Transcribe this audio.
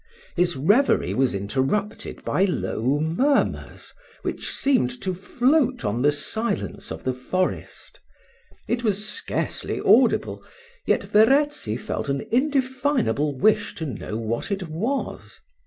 His reverie was interrupted by low murmurs, which seemed to float on the silence of the forest: it was scarcely audible, yet Verezzi felt an undefinable wish to know what it was.